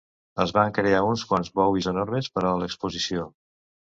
Es van crear uns quants Bowies enormes per a l'exposició.